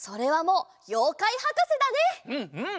うんうん！